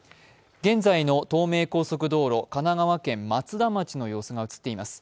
現在の東名高速道路神奈川県松田町の様子が映っています。